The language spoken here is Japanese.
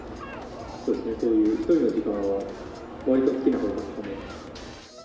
そうですね、そういう１人の時間はわりと好きな方だと思います。